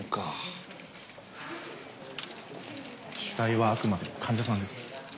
主体はあくまで患者さんです。